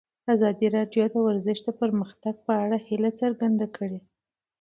ازادي راډیو د ورزش د پرمختګ په اړه هیله څرګنده کړې.